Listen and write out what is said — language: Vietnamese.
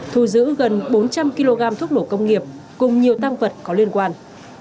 thu giữ gần bốn trăm linh kg thuốc nổ công nghiệp cùng nhiều tăng vật có liên quan